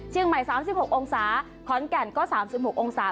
เชียงใหม่๓๖องศาคอนแก่นก็๓๖องศา